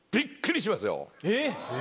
えっ！